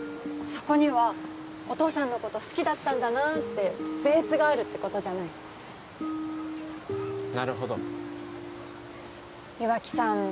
そこにはお父さんのこと好きだったんだなってベースがあるってことじゃないなるほど岩城さん